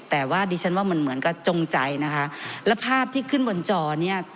แต่ว่าดิฉันว่ามันเหมือนกับจงใจนะคะแล้วภาพที่ขึ้นบนจอเนี่ย